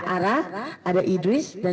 ara ada idris dan